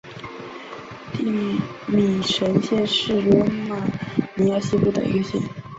蒂米什县是罗马尼亚西部的一个县。